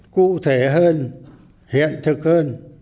cụ thể hơn hiện thực hơn